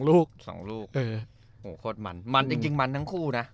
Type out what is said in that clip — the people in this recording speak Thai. โอ้โห